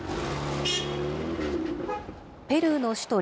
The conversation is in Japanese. ペルーの首都